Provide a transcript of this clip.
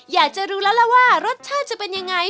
อยากจะรู้แล้วล่ะว่ารสชาติจะเป็นยังไง